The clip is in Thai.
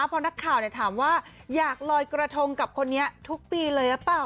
พอนักข่าวถามว่าอยากลอยกระทงกับคนนี้ทุกปีเลยหรือเปล่า